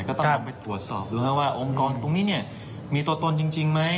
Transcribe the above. ก็ต้องไปตรวจสอบแล้วว่าองค์กรตรงนี้เนี่ยมีตัวตนจริงไหม